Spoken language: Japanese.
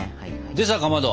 でさかまど！